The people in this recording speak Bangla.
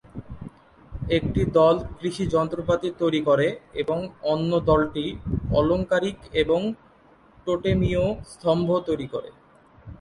একটি দল কৃষি যন্ত্রপাতি তৈরি করে এবং অন্য দলটি আলংকারিক এবং টোটেমীয় স্তম্ভ তৈরি করে।